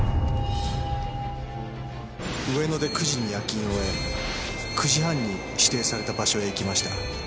上野で９時に夜勤を終え９時半に指定された場所へ行きました。